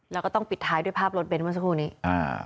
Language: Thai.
แล้วก็ต้องปิดท้ายด้วยภาพรถเน้นเมื่อสักครู่นี้อ่า